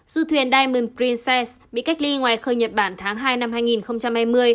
du thuyền diamond princess bị cách ly ngoài khơi nhật bản tháng hai năm hai nghìn hai mươi